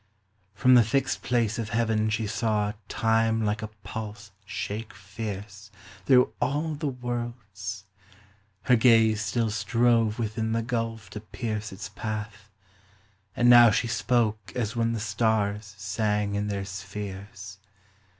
From the fixed place of Heaven she saw Time like a pulse shake fierce Through all the worlds. Her gaze still strove Within the gulf to pierce Its path ; and now she spoke as when The stars sang in their spheres.